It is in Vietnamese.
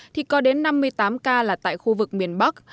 thì có đến năm mươi tám ca là tại khu vực miền bắc